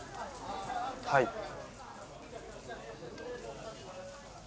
はい。